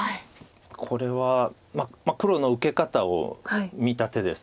これは黒の受け方を見た手です。